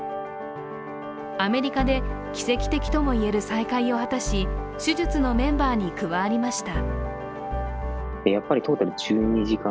アメリカで奇跡的ともいえる再会を果たし手術のメンバーに加わりました。